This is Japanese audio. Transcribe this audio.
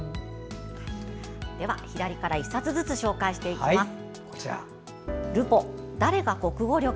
では、１冊ずつ紹介していきます。